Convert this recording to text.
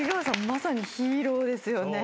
まさにヒーローですよね。